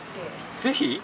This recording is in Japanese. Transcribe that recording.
ぜひ？